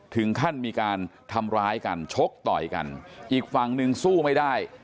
ถึงขั้นมีการทำร้ายกันชกต่อยกันอีกฝั่งหนึ่งสู้ไม่ได้